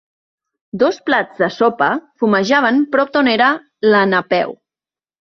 Dos plats de sopa fumejaven prop d'on era la Napeu.